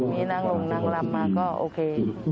มีนางลงนางลำมาก็โอเค